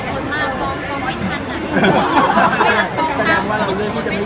ช่องความหล่อของพี่ต้องการอันนี้นะครับ